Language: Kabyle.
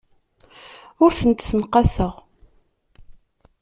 Ur tent-ssenqaseɣ.